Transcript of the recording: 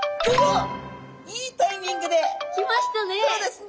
いいタイミングで！来ましたね！